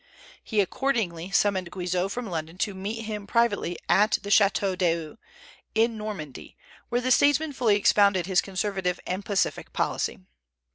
He accordingly summoned Guizot from London to meet him privately at the Château d'Eu, in Normandy, where the statesman fully expounded his conservative and pacific policy.